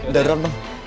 udah drone bang